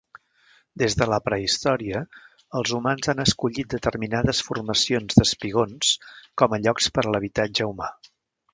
Des de la prehistòria, els humans han escollit determinades formacions d'espigons com a llocs per a l'habitatge humà.